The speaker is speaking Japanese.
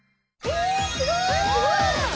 えすごい！